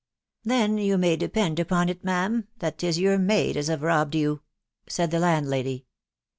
" Then you may depend upon it, ma'am, that 'tis your maid as have robbed you," said the landlady.